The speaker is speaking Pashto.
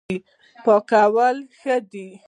پاکوالی ښه دی.